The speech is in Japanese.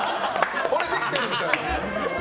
俺できてるみたいな。